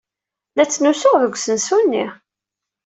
La ttnusuɣ deg usensu-nni.